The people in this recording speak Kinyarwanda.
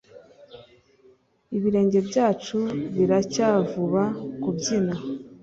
ibirenge byacu biracyavuba kubyina